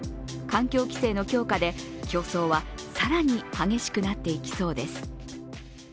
環境規制の強化で競争は更に激しくなっていきそうです。